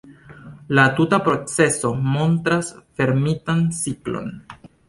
La tuta procezo montras fermitan ciklon.